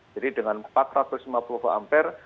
jadi dengan empat ratus lima puluh v ampere